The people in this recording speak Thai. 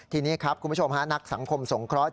ทีนี้ครับคุณผู้ชมฮะนักสังคมสงเคราะห